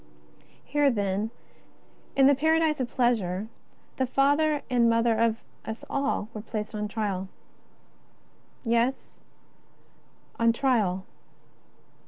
Here, then, in " the paradise of pleasure," the father and mother of us all were placed on trial. Yes, on trial.